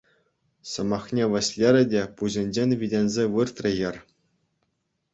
Сӑмахне вӗҫлерӗ те пуҫӗнчен витӗнсе выртрӗ хӗр.